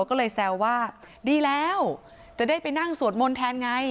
ก็เลยแซวว่าดีแล้วจะได้ไปนั่งสวดมนต์แทนไง